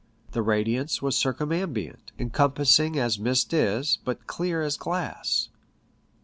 The radiance was circum ambient, encompassing as mist is, but clear as glass.